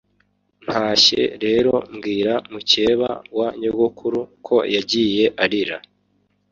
ntashye rero mbwira mukeba wa nyogukuru ko yagiye arira,